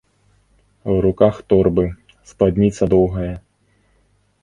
У руках торбы, спадніца доўгая.